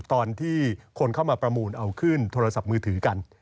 ตอนที่คนเข้ามาประมูลเอาขึ้นโทรศัพท์มือถือกัน